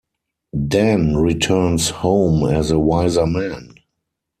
Dan returns home as a wiser man.